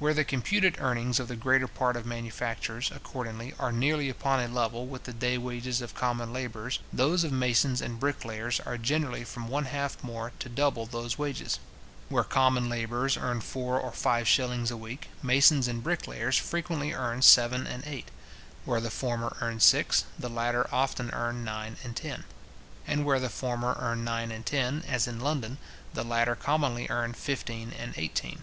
Where the computed earnings of the greater part of manufacturers, accordingly, are nearly upon a level with the day wages of common labourers, those of masons and bricklayers are generally from one half more to double those wages. Where common labourers earn four or five shillings a week, masons and bricklayers frequently earn seven and eight; where the former earn six, the latter often earn nine and ten; and where the former earn nine and ten, as in London, the latter commonly earn fifteen and eighteen.